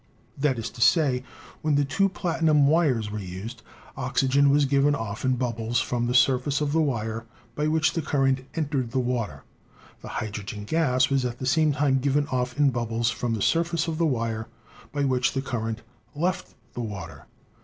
That is to say, when two platinum wires were used, oxygen gas was given off in bubbles from the surface of the wire by which the current entered the water, and hydrogen gas was at the same time given off in bubbles from the surface of the wire by which the current left the water.